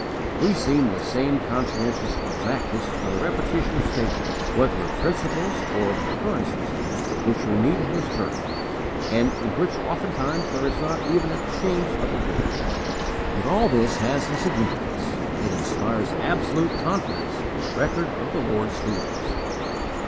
We see the same conscientious exactness in the repetitions of statements, whether of principles or of occurrences, which we meet in his journal, and in which oftentimes there is not even a change of a word. But all this has a significance. It inspires absolute confidence in the record of the Lord's dealings.